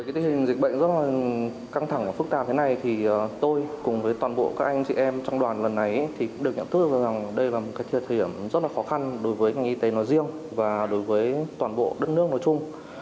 với cái tình hình dịch bệnh rất là căng thẳng và phức tạp thế này thì tôi cùng với toàn bộ các anh chị em trong đoàn lần này thì được nhận thức rằng đây là một cái thiệt hiểm rất là khó khăn đối với ngành y tế nó riêng và đối với toàn bộ đất nước nói chung